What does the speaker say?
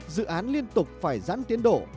dự án liên tục phải rắn tiến đổ